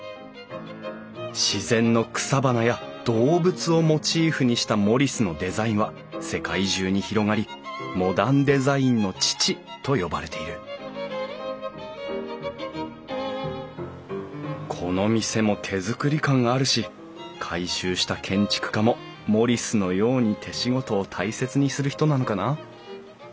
自然の草花や動物をモチーフにしたモリスのデザインは世界中に広がりモダンデザインの父と呼ばれているこの店も手作り感あるし改修した建築家もモリスのように手仕事を大切にする人なのかな？